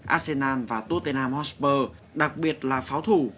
arsenal và tottenham hotspur đặc biệt là pháo thủ